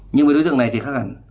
nhưng với đối tượng này thì khác hẳn